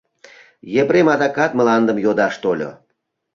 Епрем адакат мландым йодаш тольо.